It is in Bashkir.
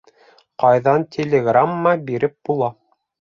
Ҡайҙан телеграмма биреп була?